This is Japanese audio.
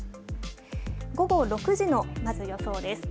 午後６時のまず予想です。